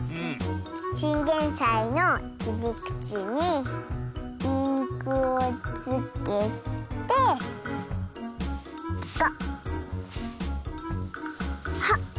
チンゲンサイのきりくちにインクをつけてゴッホ！